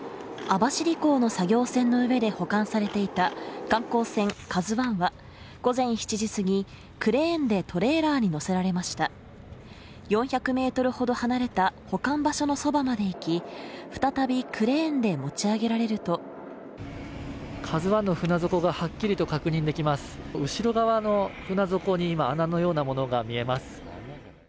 網走港の作業船の上で保管されていた観光船「ＫＡＺＵ１」は午前７時過ぎクレーンでトレーラーに載せられました４００ｍほど離れた保管場所のそばまで行き再びクレーンで持ち上げられると「ＫＡＺＵ１」の船底がはっきりと確認できます後側の船底に穴のようなものが見えます